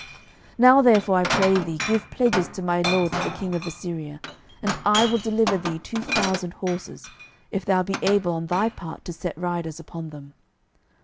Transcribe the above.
12:018:023 Now therefore, I pray thee, give pledges to my lord the king of Assyria, and I will deliver thee two thousand horses, if thou be able on thy part to set riders upon them.